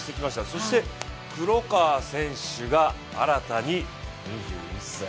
そして黒川選手が新たに出場。